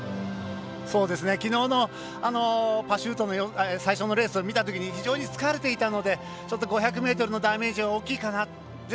きのうのパシュートの最初のレースを見たときに非常に疲れていたので５００ｍのダメージは大きいかな。